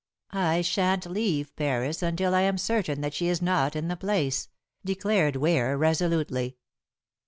"I shan't leave Paris until I am certain that she is not in the place," declared Ware resolutely.